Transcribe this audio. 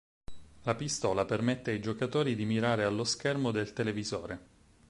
La pistola permette ai giocatori di mirare allo schermo del televisore.